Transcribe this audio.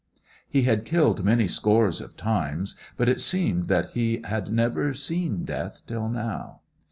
He had killed many scores of times, but it seemed that he had never seen death till now.